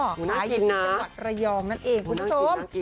ขายอยู่ในจังหวัดระยองนั่นเองคุณโจ๊บ